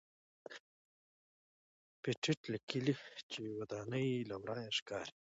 پېټټ لیکلي چې ودانۍ له ورایه ښکاري.